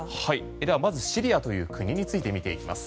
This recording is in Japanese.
ではまず、シリアという国について見ていきます。